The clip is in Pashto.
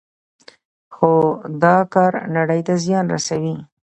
خو دا کار نړۍ ته زیان رسوي.